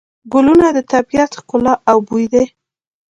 ګلونه د طبیعت ښکلا او بوی دی.